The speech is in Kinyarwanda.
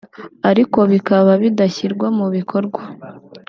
ariko bikaba bidashyirwa mu bikorwa